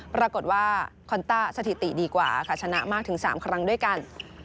ปรากฏว่าคอนต้าสถิติดีกว่าค่ะชนะมากถึง๓ครั้งด้วยกัน